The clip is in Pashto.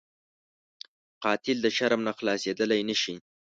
قاتل د شرم نه خلاصېدلی نه شي